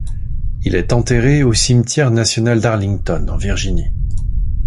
Il est enterré au cimetière national d'Arlington, en Virginie.